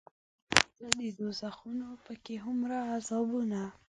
څه دي دوزخونه پکې هومره عذابونه